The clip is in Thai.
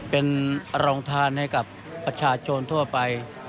เป็นรองทานให้กับประชาชนทั่วไป